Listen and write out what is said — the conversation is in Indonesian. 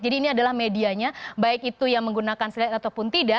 jadi ini adalah medianya baik itu yang menggunakan selat ataupun tidak